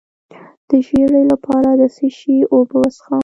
د ژیړي لپاره د څه شي اوبه وڅښم؟